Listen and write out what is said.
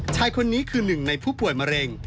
ชายคนนี้คือหนึ่งในผู้ป่วยมะเร็ง